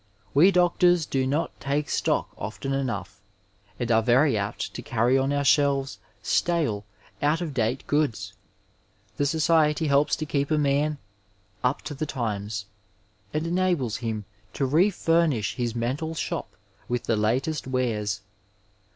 We doctors do not *' take stock " often enough, and are very apt to carry on our shelves stale, out of date goods. The society helps to keep a man " up to the times,'' and enables him to refurnish his mental shop with the latest wares.